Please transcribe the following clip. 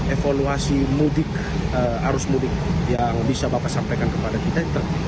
evaluasi mudik arus mudik yang bisa bapak sampaikan kepada kita